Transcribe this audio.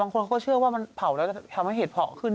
เค้าเชื่อว่าเผาแล้วจะทำเหตุเพราะขึ้น